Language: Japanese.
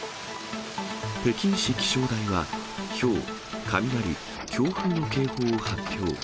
北京市気象台は、ひょう、雷、強風の警報を発表。